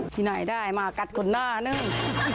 ที่ไหนได้มากัดคนหน้านึง